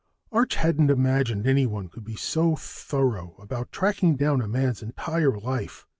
Arch hadn't imagined anyone could be so thorough about tracking down a man's entire life.